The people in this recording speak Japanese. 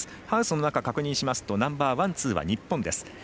ハウスの中、確認しますとナンバーワン、ツーは日本です。